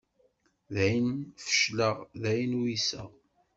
Dayen fecleɣ, dayen uyseɣ.